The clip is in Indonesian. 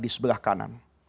di sebelah kanan